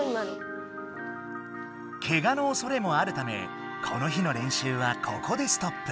けがのおそれもあるためこの日の練習はここでストップ。